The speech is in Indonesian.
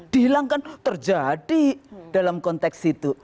dihilangkan terjadi dalam konteks itu